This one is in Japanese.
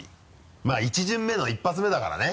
まぁ１巡目の１発目だからね。